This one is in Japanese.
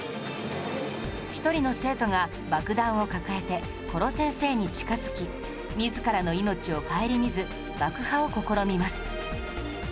１人の生徒が爆弾を抱えて殺せんせーに近づき自らの命を顧みず爆破を試みます